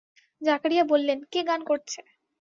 জাকারিয়া বললেন, কে গান করছে?